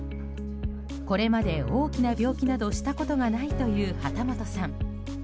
これまで大きな病気などをしたことがないという幡本さん。